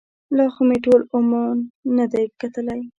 لا خو مې ټول عمان نه دی کتلی.